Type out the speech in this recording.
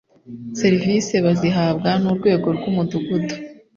Serivisi bazihabwa n urwego rw ‘umudugudu.